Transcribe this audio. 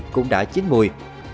cũng đã chín mùi